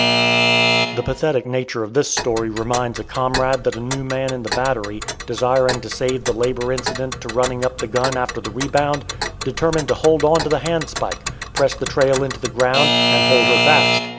The pathetic nature of this story reminds a comrade that a new man in the battery, desiring to save the labor incident to running up the gun after the rebound, determined to hold on to the handspike, press the trail into the ground, and hold her fast.